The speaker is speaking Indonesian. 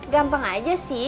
gampang aja sih